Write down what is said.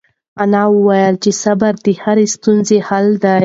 انا وویل چې صبر د هرې ستونزې حل دی.